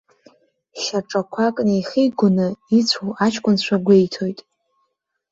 Шьаҿақәак неихигоны ицәоу аҷкәынцәа гәеиҭоит.